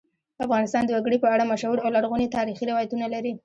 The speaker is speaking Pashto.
افغانستان د وګړي په اړه مشهور او لرغوني تاریخی روایتونه لري.